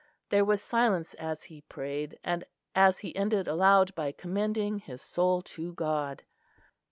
There was silence as he prayed, and as he ended aloud by commending his soul to God.